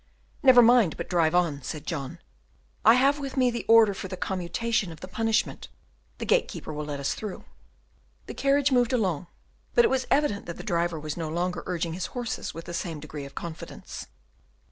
"Never mind, but drive on," said John, "I have with me the order for the commutation of the punishment, the gate keeper will let us through." The carriage moved along, but it was evident that the driver was no longer urging his horses with the same degree of confidence.